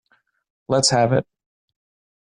Let's have it.